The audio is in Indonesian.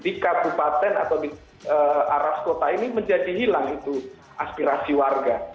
di kabupaten atau di arah kota ini menjadi hilang itu aspirasi warga